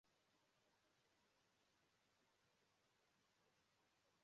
Abacha' dụrụ ụmụafọ obodo ahụ ọdụ ka ha nye aka n'ịkwàlite udo